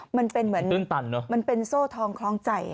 มันเป็นเหมือนตื่นตันเนอะมันเป็นโซ่ทองคลองใจ